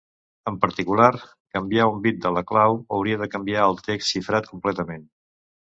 En particular, canviar un bit de la clau hauria de canviar el text xifrat completament.